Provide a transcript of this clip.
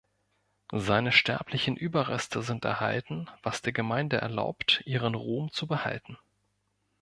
Seine sterblichen Überreste sind erhalten was der Gemeinde erlaubt, ihren Ruhm zu behalten.